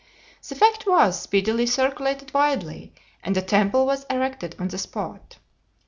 The fact was speedily circulated widely, and a temple was erected on the spot.